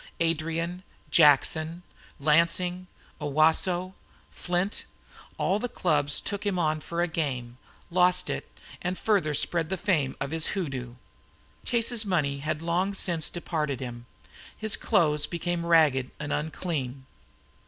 Adrian, Jackson, Lansing, Owosso, Flint, all the clubs that took him on for a game lost it, and further spread the fame of his hoodoo. Chase's money had long since departed from him. His clothes became ragged and unclean.